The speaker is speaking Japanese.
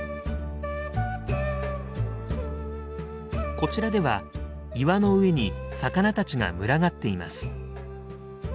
こちらでは岩の上に魚たちが群がっています。